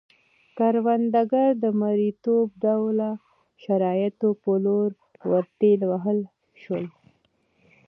کروندګر د مریتوب ډوله شرایطو په لور ورټېل وهل شول